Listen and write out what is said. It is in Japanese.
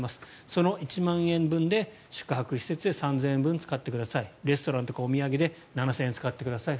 その１万円分で宿泊施設で３０００円分使ってくださいレストランとかお土産で７０００円使ってください